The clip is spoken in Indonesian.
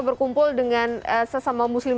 berkumpul dengan sesama muslim